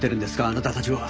あなたたちは。